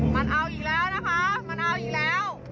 มันเอาอีกแล้วนะคะมันเอาอีกแล้ว